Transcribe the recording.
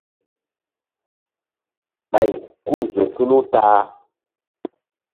Ɓay ku-u zo tulu ta-a.